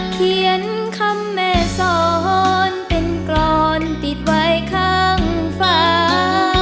เขียนคำแม่สอนเป็นกรอนติดไว้ข้างฟ้า